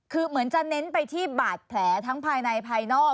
คือเหมือนจะเน้นไปที่บาดแผลทั้งภายในภายนอก